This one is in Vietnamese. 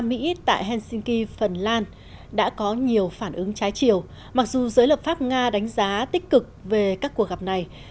mỹ tại helsinki phần lan đã có nhiều phản ứng trái chiều mặc dù giới lập pháp nga đánh giá tích cực về các cuộc gặp này